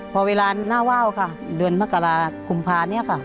พอเวลาหน้าว่าวค่ะเดือนมกรากุมภาเนี่ยค่ะ